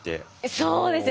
そうですね。